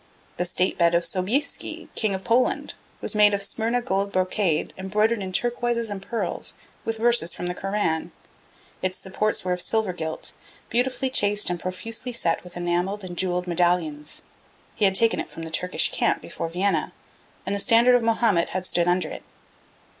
The state bed of Sobieski, King of Poland, was made of Smyrna gold brocade embroidered in turquoises and pearls, with verses from the Koran; its supports were of silver gilt, beautifully chased and profusely set with enamelled and jewelled medallions. He had taken it from the Turkish camp before Vienna, and the standard of Mahomet had stood under it.